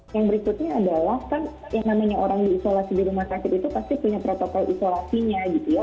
yang berikutnya adalah kan yang namanya orang diisolasi di rumah sakit itu pasti punya protokol isolasinya gitu ya